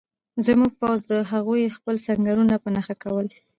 زموږ پوځ د هغوی خپل سنګرونه په نښه کول